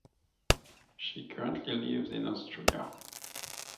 She currently lives in Austria.